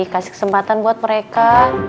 kasih kesempatan buat mereka